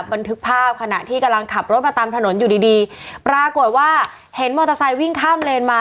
บันทึกภาพขณะที่กำลังขับรถมาตามถนนอยู่ดีดีปรากฏว่าเห็นมอเตอร์ไซค์วิ่งข้ามเลนมา